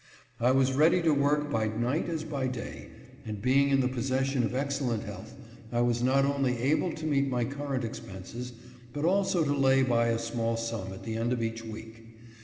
I was ready to work by night as by day, and being in the possession of excellent health, I was not only able to meet my current expenses, but also to lay by a small sum at the end of each week.